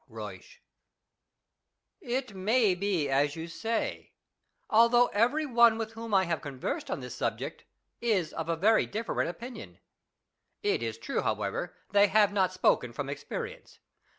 Buysch. It may be as you say, although every one with whom I have conversed on this subject is of a very different opinion. It is true, however, they have not spoken from experience.